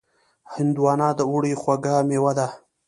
هندوانه د اوړي خوږ مېوه ده.